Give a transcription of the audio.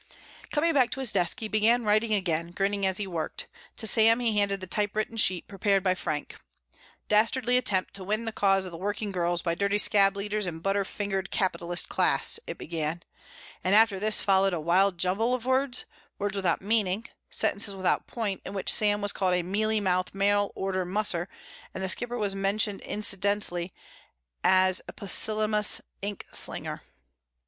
Coming back to his desk he began writing again, grinning as he worked. To Sam he handed the typewritten sheet prepared by Frank. "Dastardly attempt to win the cause of the working girls by dirty scab leaders and butter fingered capitalist class," it began, and after this followed a wild jumble of words, words without meaning, sentences without point in which Sam was called a mealy mouthed mail order musser and The Skipper was mentioned incidentally as a pusillanimous ink slinger.